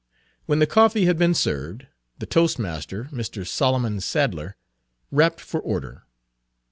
When the coffee had been served, the toastmaster, Mr. Solomon Sadler, rapped for order.